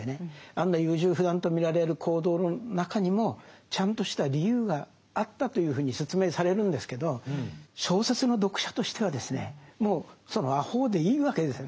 あんな優柔不断と見られる行動の中にもちゃんとした理由があったというふうに説明されるんですけど小説の読者としてはですねもうそのあほうでいいわけですよね。